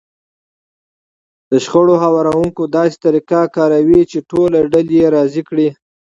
د شخړو هواروونکی داسې طريقه کاروي چې ټولې ډلې راضي کړي.